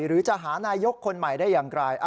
หรือจะหานายกคนใหม่ได้อย่างไร